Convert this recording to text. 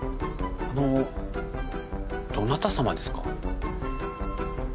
あのどなたさまですか？